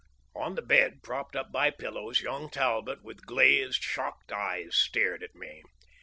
On the bed, propped up by pillows, young Talbot, with glazed, shocked eyes, stared at me.